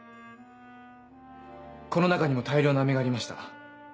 この中にも大量のアメがありました。